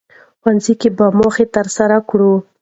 ښوونځي به موخې ترلاسه کړي وي.